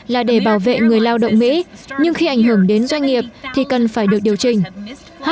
là để bảo vệ người lao động mỹ nhưng khi ảnh hưởng đến doanh nghiệp thì cần phải được điều chỉnh